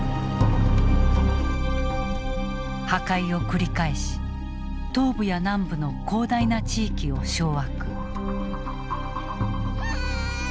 破壊を繰り返し東部や南部の広大な地域を掌握。